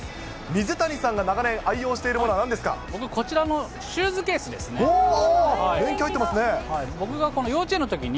水谷さんが長年、愛用しているも僕、こちらのシューズケースおお！